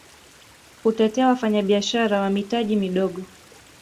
kutetea wafanyabiashara wa mitaji midogo